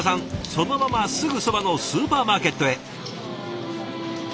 そのまますぐそばのスーパーマーケットへ。